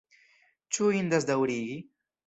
Ĉu indas daŭrigi?